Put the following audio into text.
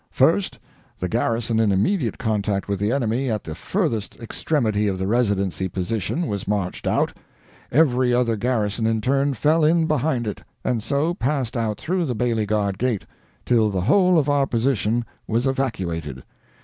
First, the garrison in immediate contact with the enemy at the furthest extremity of the Residency position was marched out. Every other garrison in turn fell in behind it, and so passed out through the Bailie Guard gate, till the whole of our position was evacuated.